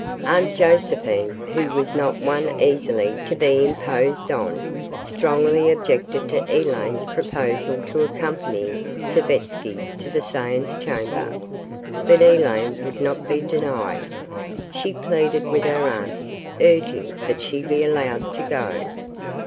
Aunt Josephine, who was not one easily to be imposed on, strongly objected to Elaine's proposal to accompany Savetsky to the seance chamber, but Elaine would not be denied. She pleaded with her aunt, urging that she be allowed to go.